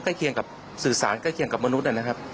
เคียงกับสื่อสารใกล้เคียงกับมนุษย์นะครับ